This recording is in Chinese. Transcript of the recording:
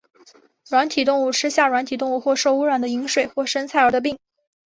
软体动物吃下软体动物或受污染的饮水或生菜而得病。